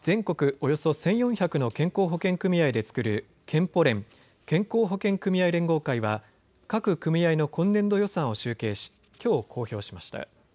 およそ１４００の健康保険組合で作る健保連・健康保険組合連合会は各組合の今年度予算を集計しきょう公表しました。